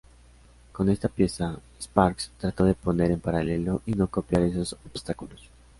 Con Esta pieza, Sparks trato de poner en paralelo y no copiar esos obstáculos.